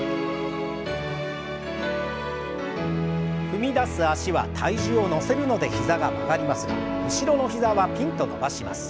踏み出す脚は体重を乗せるので膝が曲がりますが後ろの膝はピンと伸ばします。